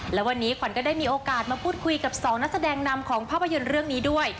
และวันนี้ขวัญก็ได้มีโอกาสมาพูดคุยกับสองนักแสดงนำของภาพยนตร์เรื่องนี้ด้วย